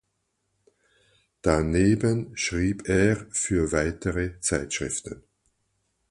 Daneben schrieb er für weitere Zeitschriften.